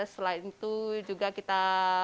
setelah itu juga kita